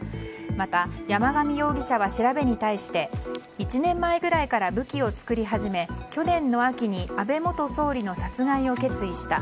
また山上容疑者は調べに対して１年前ぐらいから武器を作り始め去年の秋に安倍元総理の殺害を決意した。